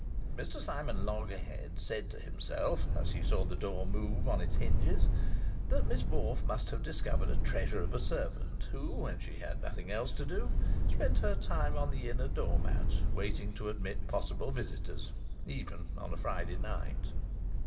Mr Simon Loggerheads said to himself, as he saw the door move on its hinges, that Miss Morfe must have discovered a treasure of a servant who, when she had nothing else to do, spent her time on the inner door mat waiting to admit possible visitors even on Friday night.